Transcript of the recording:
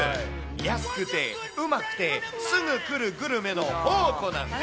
安くて、うまくて、すぐ来るグルメの宝庫なんです。